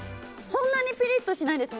そんなにピリッとしないです。